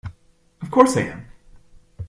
Of course I am!